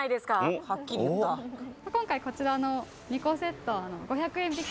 今回こちらの２個セットを５００円引き。